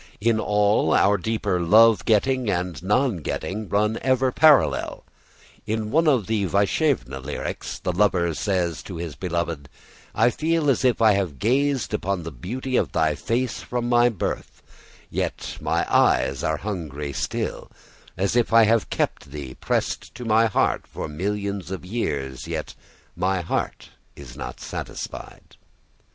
In all our deeper love getting and non getting run ever parallel. In one of our Vaishnava lyrics the lover says to his beloved: "I feel as if I have gazed upon the beauty of thy face from my birth, yet my eyes are hungry still: as if I have kept thee pressed to my heart for millions of years, yet my heart is not satisfied."